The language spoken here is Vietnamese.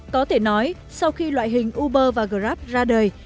có thể nói sau khi loại hình uber và grab ra đời